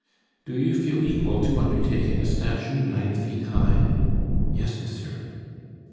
"Do you feel equal to undertaking a statue nine feet high?" "Yes, monsieur."